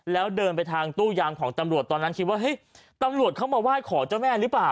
แล้วเดินไปทางตู้ยางของตำรวจตอนนั้นคิดว่าเฮ้ยตำรวจเข้ามาไหว้ขอเจ้าแม่หรือเปล่า